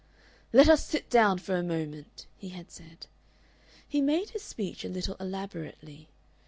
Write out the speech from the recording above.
"Let us sit down for a moment," he had said. He made his speech a little elaborately.